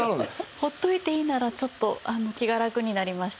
放っておいていいならちょっと気が楽になりました。